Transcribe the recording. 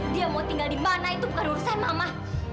dia mau tinggal di mana itu bukan urusan mama